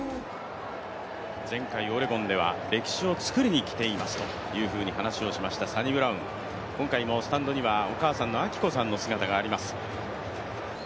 前回オレゴンでは歴史を作りに来ていますと話をしましたサニブラウン、今回もスタンドにはお母様の明子さんの姿もあります。